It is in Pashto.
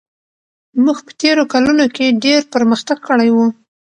موږ په تېرو کلونو کې ډېر پرمختګ کړی و.